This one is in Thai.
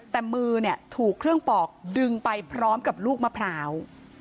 แต่มือถูกเครื่องปอกดึงไปพร้อมกับลูกมะพร้าว